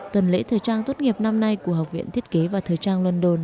tuần lễ thời trang tốt nghiệp năm nay của học viện thiết kế và thời trang london